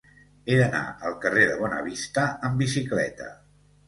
He d'anar al carrer de Bonavista amb bicicleta.